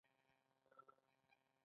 سمه ده استاده موږ به پوره تیاری ونیسو